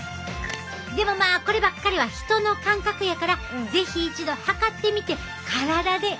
でもまあこればっかりは人の感覚やから是非一度測ってみて体で覚えちゃって。